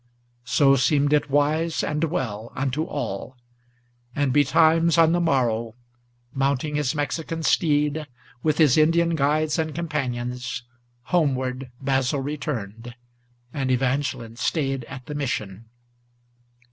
So seemed it wise and well unto all; and betimes on the morrow, Mounting his Mexican steed, with his Indian guides and companions, Homeward Basil returned, and Evangeline stayed at the Mission.